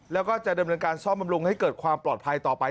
แล้วก็จะดำเนินการซ่อมบำรุงให้เกิดความปลอดภัยต่อไป